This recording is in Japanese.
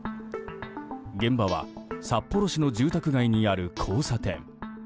現場は札幌市の住宅街にある交差点。